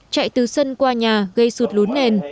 chạy từ sân qua nhà gây sụt lún nền